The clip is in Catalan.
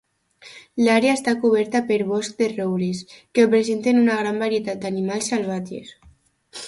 L'àrea està coberta per boscs de roures, que presenten una gran varietat d'animals salvatges.